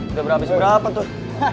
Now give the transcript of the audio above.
udah berhabis berapa tuh